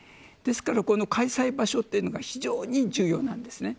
ですから、この開催場所というのが非常に重要なんです。